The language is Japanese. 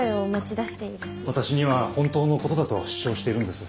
私には本当のことだと主張しているんです。